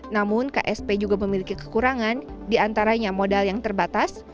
namun ksp juga memiliki kekurangan diantaranya modal yang terbatas